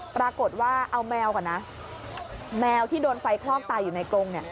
ปรากฏว่าเอาแมวก่อนนะแมวที่โดนไฟคลอกตายอยู่ในกรงเนี่ย